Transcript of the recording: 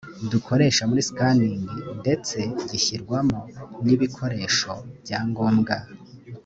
dukoresha muri scanning ndetse gishyirwamo n ibikoresho byangombwa